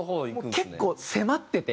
結構迫ってて。